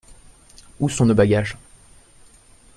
Où sont nos bagages ?…